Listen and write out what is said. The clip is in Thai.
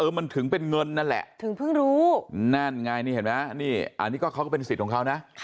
มันถึงเป็นเงินนั่นแหละถึงเพิ่งรู้นั่นไงนี่เห็นไหมนี่อันนี้ก็เขาก็เป็นสิทธิ์ของเขานะ